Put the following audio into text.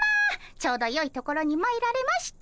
ちょうどよいところにまいられました。